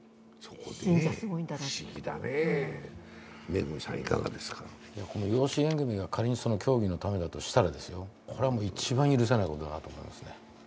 この養子縁組が仮に教義のためだとしたらこれは一番許せないことだなと思いますね。